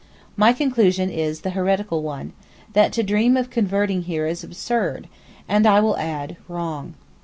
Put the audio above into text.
My conclusion is the heretical one: that to dream of converting here is absurd, and, I will add, wrong.